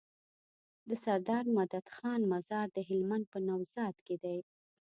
دسردار مدد خان مزار د هلمند په نوزاد کی دی